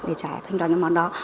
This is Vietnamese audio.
để trả thanh toán cái món đó